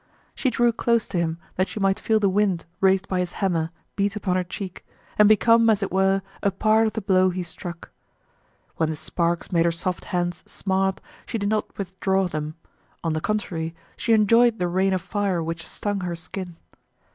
She drew close to him that she might feel the wind raised by his hammer beat upon her cheek, and become, as it were, a part of the blow he struck. When the sparks made her soft hands smart, she did not withdraw them; on the contrary, she enjoyed the rain of fire which stung her skin.